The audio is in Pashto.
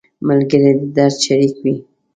ملګری د درد شریک وي